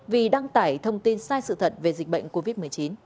vì đăng tải thông tin sai sự thật về dịch bệnh covid một mươi chín